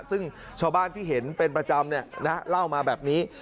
ซึ่งชาวบ้านที่เห็นเป็นประจำเล่ามาแบบนี้